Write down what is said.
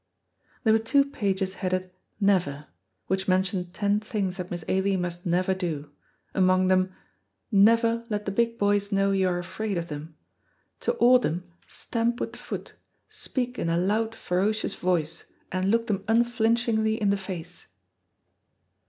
There were two pages headed NEVER, which mentioned ten things that Miss Ailie must never do; among them, "Never let the big boys know you are afraid of them. To awe them, stamp with the foot, speak in a loud ferocious voice, and look them unflinchingly in the face."